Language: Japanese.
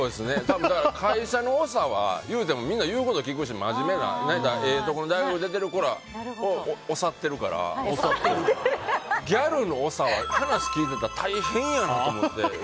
会社の長は、言うてもみんな、言うこと聞くし真面目な、言うたらええとこの大学出てる子らを長ってるから。ギャルの長は話、聞いてたら大変やなと思って。